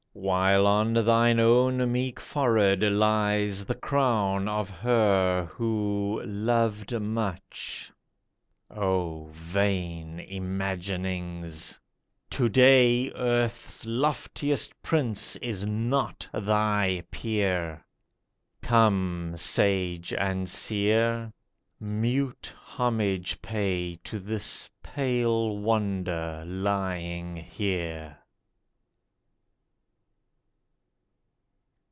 While on thine own meek forehead lies The crown of her who '' loved much ?" O vain imaginings ! To day Earth's loftiest prince is not thy peer. Come, Sage and Seer ! mute homage pay To this Pale Wonder lying here